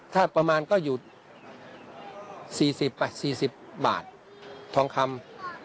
ถ้าประมาณก็อยู่๔๐๔๐บาททองคำ